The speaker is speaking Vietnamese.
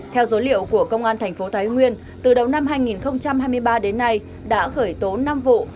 theo dối liệu của công an thành phố thái nguyên từ đầu năm hai nghìn hai mươi ba đến nay đã khởi tố năm vụ